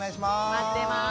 待ってます。